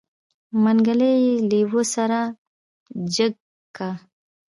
منګلی يې لېوه سره جګ که.